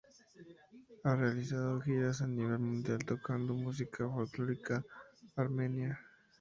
Ha realizado giras a nivel mundial tocando música folclórica armenia.